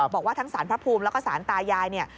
บอกว่าทั้งสารพระภูมิแล้วก็สารตายายเนี่ย